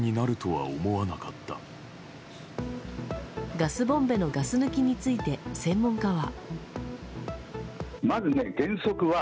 ガスボンベのガス抜きについて専門家は。